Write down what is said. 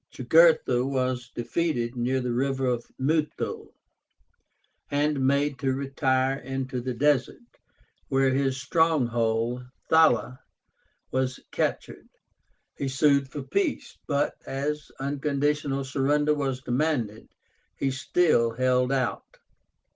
Jugurtha was defeated near the river Muthul, and made to retire into the desert, where his stronghold, Thala, was captured. He sued for peace, but, as unconditional surrender was demanded, he still held out.